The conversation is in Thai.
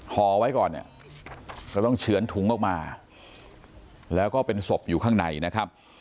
ห่อไว้ก่อนเนี่ยก็ต้องเฉือนถุงออกมาแล้วก็เป็นศพอยู่ข้างในนะครับ